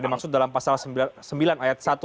dimaksud dalam pasal sembilan ayat satu